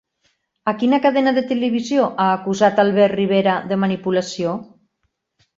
A quina cadena de televisió ha acusat Albert Rivera de manipulació?